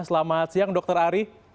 selamat siang dr ari